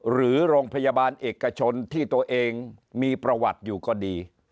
หรือโรงพยาบาลเอกชนที่ตัวเองมีประวัติอยู่ก็ดี